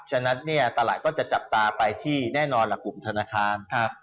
ฉะนั้นเนี่ยตลาดก็จะจับตาไปที่แน่นอนล่ะกลุ่มธนาคาร